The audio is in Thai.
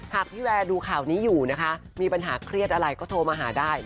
หากพี่แวร์ดูข่าวนี้อยู่นะคะมีปัญหาเครียดอะไรก็โทรมาหาได้